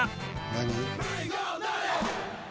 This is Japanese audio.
「何？」